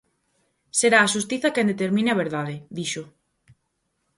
"Será a xustiza quen determine a verdade", dixo.